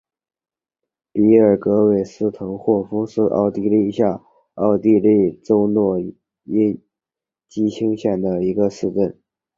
比尔格韦斯滕霍夫是奥地利下奥地利州诺因基兴县的一个市镇。